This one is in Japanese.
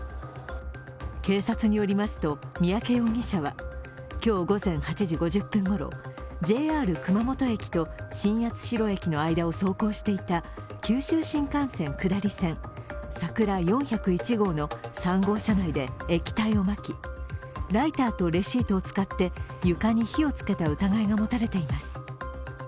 警察によると、三宅容疑者は今日午前８時５０分ごろ、ＪＲ熊本駅と新八代駅の間を走行していた九州新幹線下り線「さくら４０１号」の３号車内で液体をまき、ライターとレシートを使って床に火をつけた疑いが持たれています。